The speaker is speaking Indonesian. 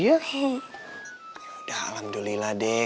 yaudah alhamdulillah deh